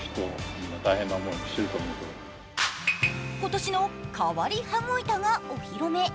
今年の変わり羽子板がお披露目。